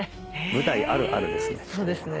舞台あるあるですね。